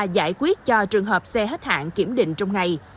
giải quyết cho trường hợp xe hết hạn kiểm định trong ngày